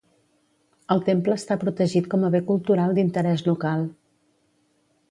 El temple està protegit com a bé cultural d'interès local.